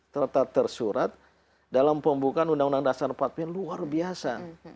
terletak tersurat dalam pembukaan undang undang dasar empat puluh luar biasa